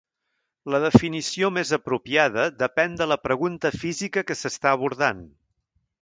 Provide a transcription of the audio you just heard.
La definició més apropiada depèn de la pregunta física que s'està abordant.